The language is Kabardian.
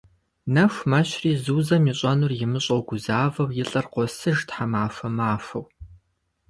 Нэху мэщри, Зузэм ищӏэнур имыщӏэу гузавэу, и лӏыр къосыж тхьэмахуэ махуэу.